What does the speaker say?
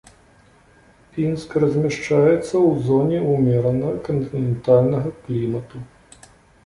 Пінск размяшчаецца ў зоне ўмерана кантынентальнага клімату.